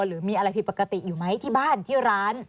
หรือมีอะไรผิดปกติอยู่ไหมที่บ้านที่ร้าน